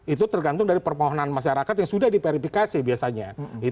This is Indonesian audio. itu tergantung dari permohonan masyarakat yang sudah diverifikasi biasanya